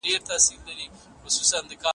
تعليم شوې نجونې د معلوماتو سم کارونه ښيي.